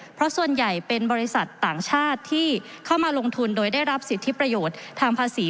เพราะส่วนใหญ่เป็นบริษัทต่างชาติที่เข้ามาลงทุนโดยได้รับสิทธิประโยชน์ทางภาษี